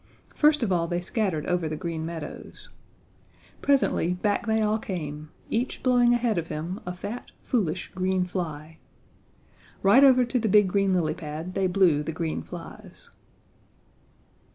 First of all they scattered over the Green Meadows. Presently back they all came, each blowing ahead of him a fat, foolish, green fly. Right over to the big green lily pad they blew the green flies.